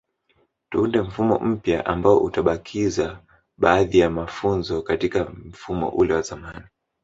Tuunde mfumo mpya ambao utabakiza baadhi ya mafunzo katika mfumo ule wa zamani